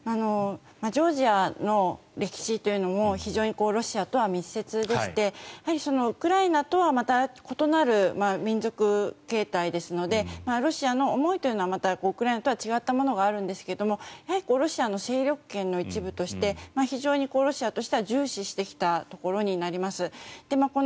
ジョージアの歴史というのも非常にロシアとは密接でしてウクライナとはまた異なる民族形態ですのでロシアの思いというのはまたウクライナとは違ったものがあるんですがやはりロシアの勢力圏の一部として非常にロシアとしては重視してきたところにはなります。